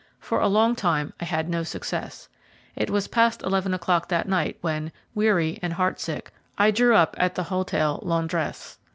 For a long time I had no success. It was past eleven o'clock that night when, weary and heart sick, I drew up at the Hotel Londres.